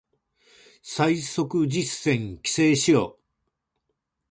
最速実践規制しろ